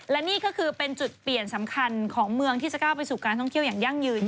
และนี่ก็คือเป็นจุดเปลี่ยนสำคัญของเมืองที่จะก้าวไปสู่การท่องเที่ยวอย่างยั่งยืน